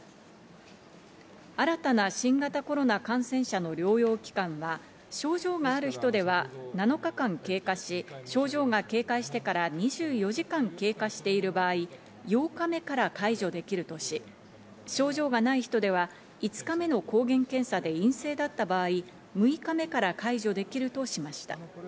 新たな新型コロナ感染者の療養期間は、症状がある人では７日間経過し、症状が軽快してから２４時間経過している場合、８日目から解除できるとし、症状がない人では５日目の抗原検査で陰性だった場合、６日目から解除できるとしました。